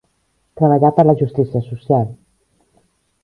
Treballar per la justícia social.